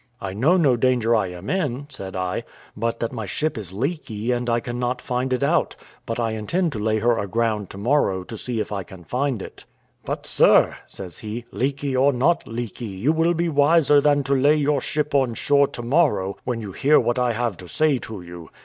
"I know no danger I am in," said I, "but that my ship is leaky, and I cannot find it out; but I intend to lay her aground to morrow, to see if I can find it." "But, sir," says he, "leaky or not leaky, you will be wiser than to lay your ship on shore to morrow when you hear what I have to say to you.